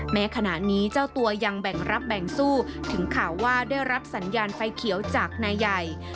แม้ขณะนี้เจ้าตัวยังแบ่งรับแบ่งสู้ถึงข่าวว่าได้รับสัญญาณไฟเขียวจากนายใหญ่